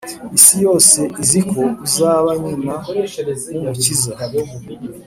isi yose iziko uzaba nyina w’umukiza